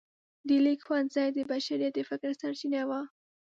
د لیک ښوونځی د بشریت د فکر سرچینه وه.